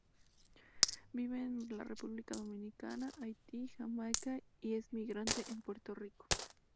Vive en la República Dominicana, Haití, Jamaica y es migrante en Puerto Rico.